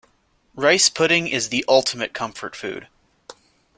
Rice pudding is the ultimate comfort food.